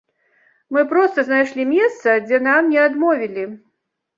Мы проста знайшлі месца, дзе нам не адмовілі.